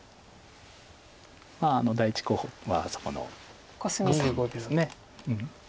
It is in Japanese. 第１候補はあそこのコスミです。